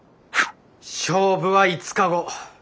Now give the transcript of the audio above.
勝負は５日後。